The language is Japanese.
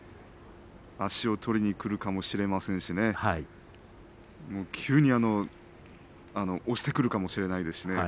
足を取りにくるかもしれませんし急に押してくるかもしれないですしね。